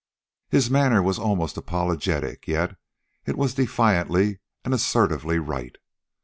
His manner was almost apologetic yet it was defiantly and assertively right.